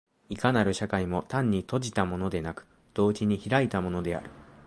いかなる社会も単に閉じたものでなく、同時に開いたものである。